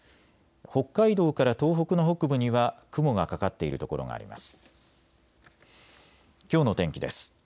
北海道から東北の北部には雲がかかっている所があります。